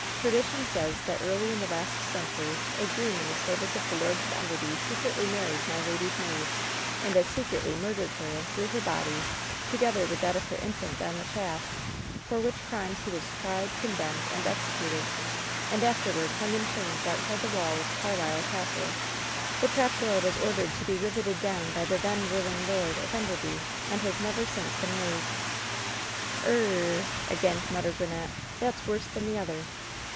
Tradition says that early in the last cen tury a groom in the service of the lords of Enderby secretly married my lady's maid, and as secretly mur LOVE'S BITTEREST CUP 1167 dered her and threw her body, together with that of her infant, down the shaft, for which crimes he was tried, condemned, and executed, and afterward hung in chains outside the wall of Carlisle Castle. The trapdoor was ordered to be riveted down by the then ruling Lord of Enderby, and has never since been raised/ " "Ur r r r r r r !'' again muttered Wynnette. "That's worse than the other."